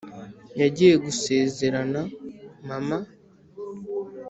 yagiye gusezerana, mama.